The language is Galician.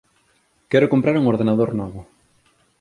Quero comprar un ordenador novo.